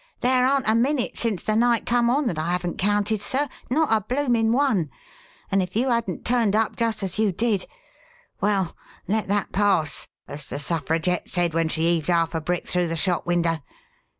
"There aren't a minute since the night come on that I haven't counted, sir not a bloomin' one; and if you hadn't turned up just as you did Well, let that pass, as the Suffragette said when she heaved 'arf a brick through the shop window.